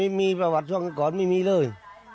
ไม่มีประวัติช่วงก่อนไม่มีเลย